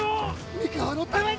三河のために！